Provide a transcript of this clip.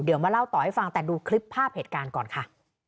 เดี๋ยวมาเล่าต่อให้ฟังแต่ดูคลิปภาพเหตุการณ์ก่อนค่ะ